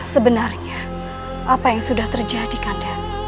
sebenarnya apa yang sudah terjadi kandang